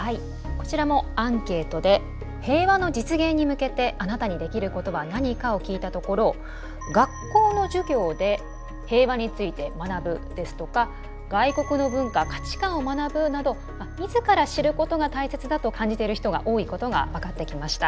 こちらもアンケートで平和の実現に向けてあなたにできることは何かを聞いたところ「学校の授業で平和について学ぶ」ですとか「外国の文化・価値観を学ぶ」など自ら知ることが大切だと感じている人が多いことが分かってきました。